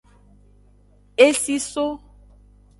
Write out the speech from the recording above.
Esi so.